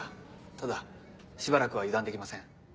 ただしばらくは油断できません。